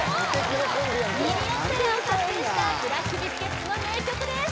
ミリオンセラーを達成したブラックビスケッツの名曲です・